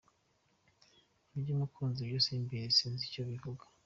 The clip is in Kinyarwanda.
Iby’umukunzi byo simbizi, sinzi icyo bivuga.